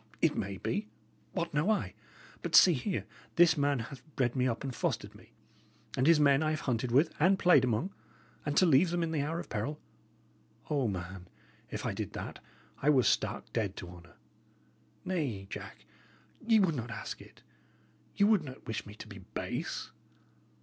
It may be; what know I? But, see here: This man hath bred me up and fostered me, and his men I have hunted with and played among; and to leave them in the hour of peril O, man, if I did that, I were stark dead to honour! Nay, Jack, ye would not ask it; ye would not wish me to be base."